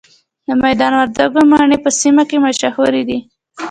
د میدان وردګو مڼې په سیمه کې مشهورې دي.